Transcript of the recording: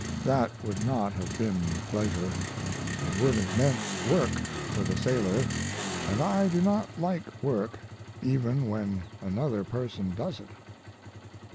That would not have been pleasure; it would have meant work for the sailor, and I do not like work even when another person does it."